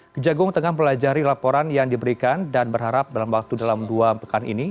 kejagung tengah mempelajari laporan yang diberikan dan berharap dalam waktu dalam dua pekan ini